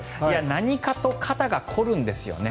何かと肩が凝るんですよね。